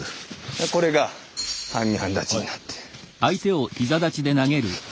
これが半身半立ちになって。